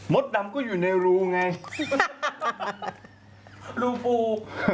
โมดดัมก็อยู่ในรูไงรูปู